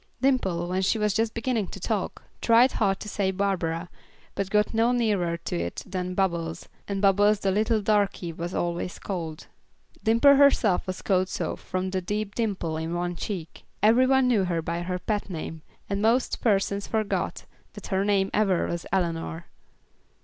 Dimple, when she was just beginning to talk, tried hard to say Barbara, but got no nearer to it than Bubbles, and Bubbles the little darkey was always called. Dimple herself was called so from the deep dimple in one cheek. Every one knew her by her pet name, and most persons forgot that her name ever was Eleanor.